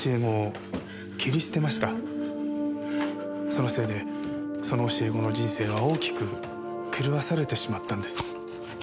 そのせいでその教え子の人生は大きく狂わされてしまったんです。